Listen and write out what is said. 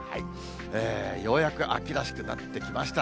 ようやく秋らしくなってきました。